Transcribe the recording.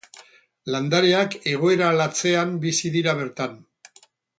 Landareak egoera latzean bizi dira bertan.